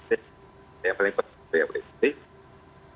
itu yang paling penting